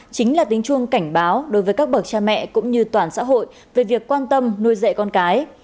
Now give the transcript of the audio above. chính là tính chuông cảnh báo đối với các bậc cha mẹ cũng như toàn xã hội về việc quan tâm nuôi dạy con cái